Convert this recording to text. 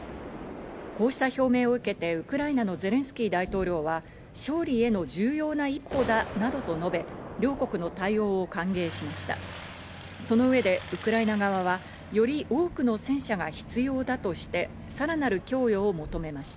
こうした表明を受けて、ウクライナのゼレンスキー大統領は勝利への重要な一歩だなどと述べ、両国の対応を歓迎しました。